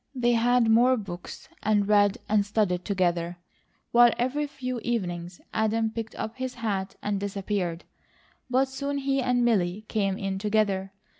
They had more books and read and studied together, while every few evenings Adam picked up his hat and disappeared, but soon he and Milly came in together.